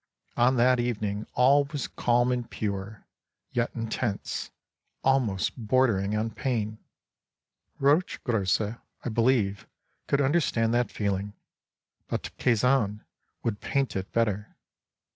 On that evening all was calm and pure, yet in tense, almost bordering on pain. Rochegrosse, I believe, could understand that feeling, but Cazin would paint it better.